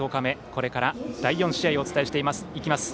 これから第４試合をお伝えしていきます。